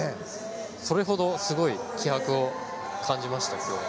それほどすごい気迫を感じました。